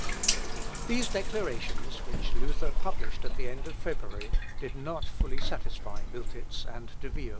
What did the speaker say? ] These declarations, which Luther published at the end of February, did not fully satisfy Miltitz and De Vio.